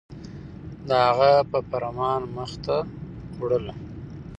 د هغه په فرمان مخ ته وړله